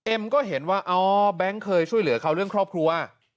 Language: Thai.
ก็เห็นว่าอ๋อแบงค์เคยช่วยเหลือเขาเรื่องครอบครัว